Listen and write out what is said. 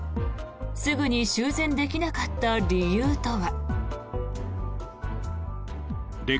すぐに修繕できなかった理由とは。